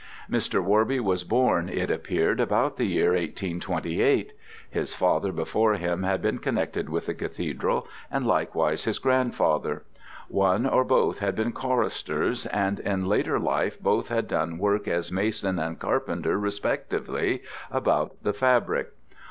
Mr. Worby was born, it appeared, about the year 1828. His father before him had been connected with the Cathedral, and likewise his grandfather. One or both had been choristers, and in later life both had done work as mason and carpenter respectively about the fabric.